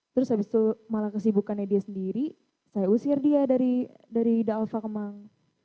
terus abis itu malah kesibukannya dia sendiri saya usir dia dari the alpha kemang